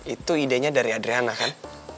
itu idenya dari adriana kan